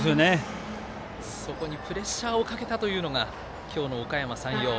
そこにプレッシャーをかけたというのが今日の、おかやま山陽。